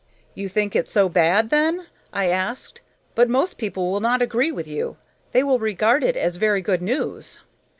"You think it so bad, then?" I asked. "But most people will not agree with you. They will regard it as very good news."